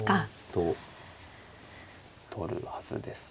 と取るはずです。